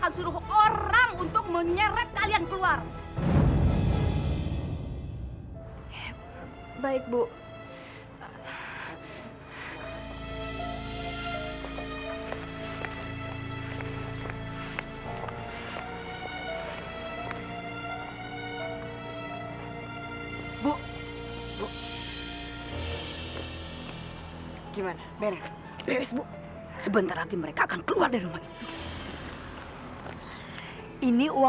tante tolong izinin mereka tinggal disini ya